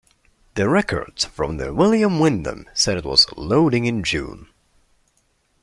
The records from the "William Windom" said it was "loading in June.